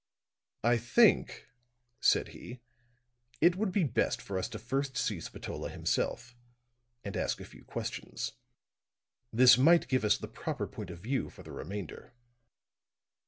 "I think," said he, "it would be best for us to first see Spatola himself, and ask a few questions. This might give us the proper point of view for the remainder."